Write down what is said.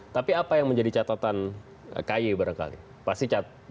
tapi apa yang menjadi catatan kaye barangkali